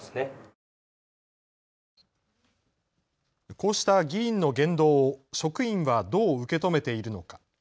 こうした議員の言動を職員はどう受け止めているのか。